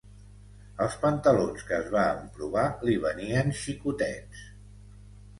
Els pantalons que es va emprovar li venien xicotets